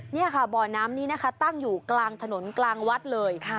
นี่ค่ะบ่อน้ำนี้นะคะตั้งอยู่กลางถนนกลางวัดเลย